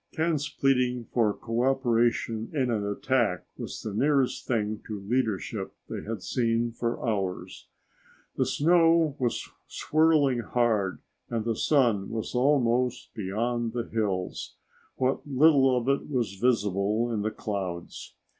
Ken's pleading for co operation in an attack was the nearest thing to leadership they had seen for hours. The snow was swirling hard and the sun was almost beyond the hills, what little of it was visible in the clouds.